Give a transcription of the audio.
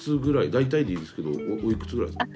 大体でいいですけどおいくつぐらいですか？